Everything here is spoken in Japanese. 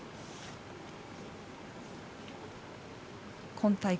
今大会